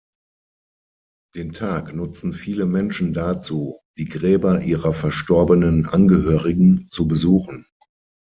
Den Tag nutzen viele Menschen dazu, die Gräber ihrer verstorbenen Angehörigen zu besuchen.